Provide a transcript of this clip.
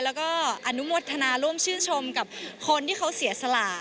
แล้วก็อนุโมทนาร่วมชื่นชมกับคนที่เขาเสียสละ